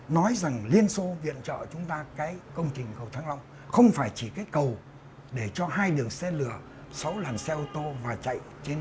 nói rằng liên xô viện trợ chúng ta cái công trình cầu thăng long không phải chỉ cái cầu để cho hai đường xe lửa sáu làn xe ô tô và chạy